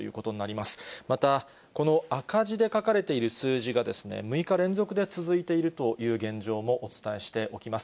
また、この赤字で書かれている数字が６日連続で続いているという現状もお伝えしておきます。